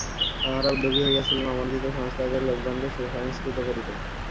তাঁহারা উদ্যোগী হইয়াছিলেন অমার্জিত সংস্কারের লোকগণকে সুসংস্কৃত করিতে।